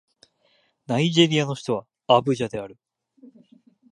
ナイジェリアの首都はアブジャである